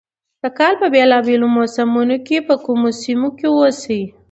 د کال په بېلا بېلو موسمونو کې په کومو سيمو کښې اوسي،